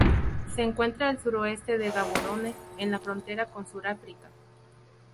Se encuentra al suroeste de Gaborone, en la frontera con Suráfrica.